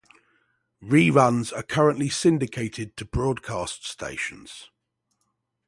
Reruns are currently syndicated to broadcast stations.